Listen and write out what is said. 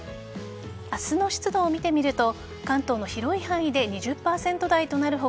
明日の湿度を見てみると関東の広い範囲で２０％台となる他